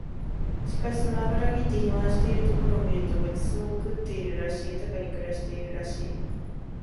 しかしその脂ぎって肥満しているところを見ると御馳走を食ってるらしい、豊かに暮らしているらしい